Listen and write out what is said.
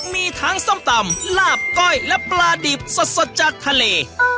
มีทั้งส้มตำลาบก้อยและปลาดิบสดจากทะเล